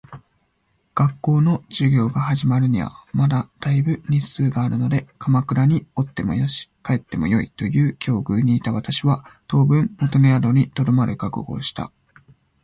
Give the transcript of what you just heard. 学校の授業が始まるにはまだ大分日数があるので鎌倉におってもよし、帰ってもよいという境遇にいた私は、当分元の宿に留まる覚悟をした。